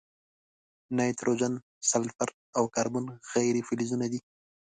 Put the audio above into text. نایتروجن، سلفر، او کاربن غیر فلزونه دي.